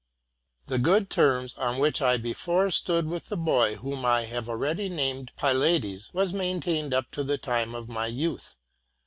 The good terms on which L before stoed with the boy whom I have 'alre: ady named Pylades was maintained up to the time of my youth.